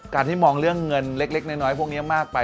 ที่มองเรื่องเงินเล็กน้อยพวกนี้มากไป